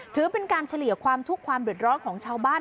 ถือเป็นการเฉลี่ยความทุกข์ความเดือดร้อนของชาวบ้าน